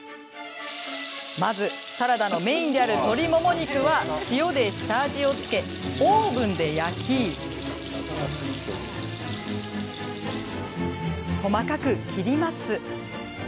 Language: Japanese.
まず、サラダのメインである鶏もも肉は塩で下味を付けオーブンで焼き細かく切ります。